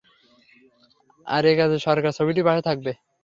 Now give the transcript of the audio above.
আর এ কাজে সরকার ছবিটির পাশে থাকবে।